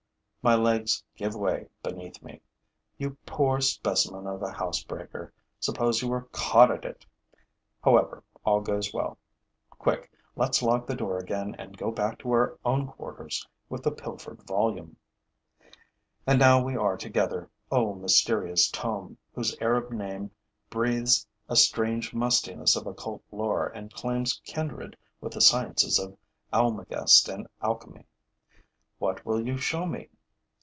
My legs give way beneath me. You poor specimen of a housebreaker, suppose you were caught at it! However, all goes well. Quick, let's lock the door again and go back to our own quarters with the pilfered volume. And now we are together, O mysterious tome, whose Arab name breathes a strange mustiness of occult lore and claims kindred with the sciences of almagest and alchemy. What will you show me?